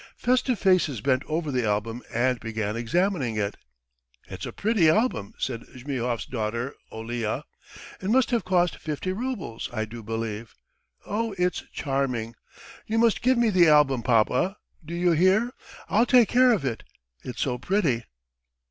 Festive faces bent over the album and began examining it. "It's a pretty album," said Zhmyhov's daughter Olya, "it must have cost fifty roubles, I do believe. Oh, it's charming! You must give me the album, papa, do you hear? I'll take care of it, it's so pretty."